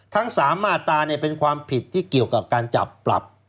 ทั้ง๓มาตราเป็นความผิดที่เกี่ยวกับการจับปรับ